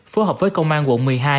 phối hợp với công an quận một mươi hai